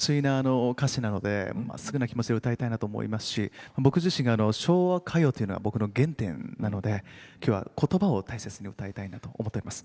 すごく純粋な歌詞なのでまっすぐな気持ちで歌いたいなと思いますし、僕自身が昭和歌謡は僕の原点なのできょうは、ことばを大切に歌いたいなと思っております。